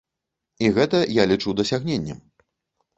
І гэта я лічу дасягненнем.